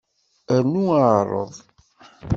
Rnu ɛreḍ.